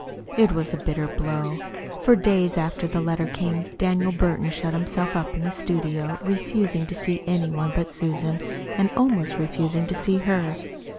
It was a bitter blow. For days after the letter came, Daniel Burton shut himself up in his studio refusing to see any one but Susan, and almost refusing to see her.